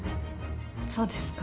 そうですか。